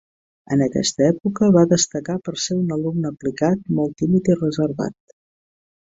En aquesta època va destacar per ser un alumne aplicat, molt tímid i reservat.